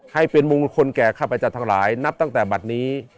ให้เป็นมงคลแก่ข้าพเจ้าทั้งหลายนับตั้งแต่บัตรนี้